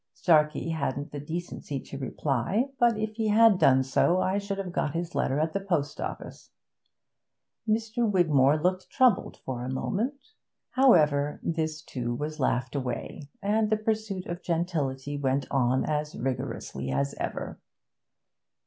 Starkey hadn't the decency to reply, but if he had done so I should have got his letter at the post office.' Mr. Wigmore looked troubled for a moment. However, this too was laughed away, and the pursuit of gentility went on as rigorously as ever.